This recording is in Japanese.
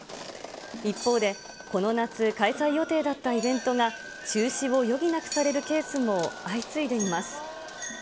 一方で、この夏、開催予定だったイベントが中止を余儀なくされるケースも相次いでいます。